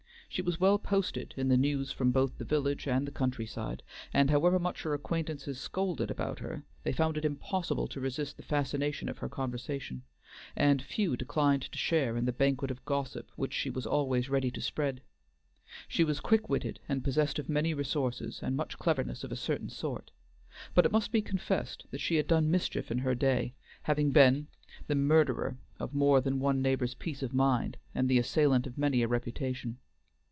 She was well posted in the news from both the village and the country side, and however much her acquaintances scolded about her, they found it impossible to resist the fascination of her conversation, and few declined to share in the banquet of gossip which she was always ready to spread. She was quick witted, and possessed of many resources and much cleverness of a certain sort; but it must be confessed that she had done mischief in her day, having been the murderer of more than one neighbor's peace of mind and the assailant of many a reputation.